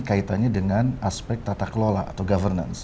kaitannya dengan aspek tata kelola atau governance